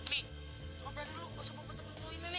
mi ngobrol dulu dengan teman teman kamu ini nih